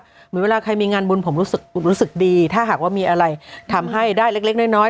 เหมือนเวลาใครมีงานบุญผมรู้สึกดีถ้าหากว่ามีอะไรทำให้ได้เล็กน้อย